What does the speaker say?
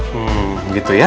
hmm gitu ya